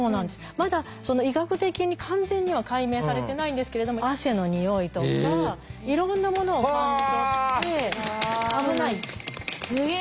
まだ医学的に完全には解明されてないんですけれども汗のにおいとかいろんなものを感じ取って「危ない」って。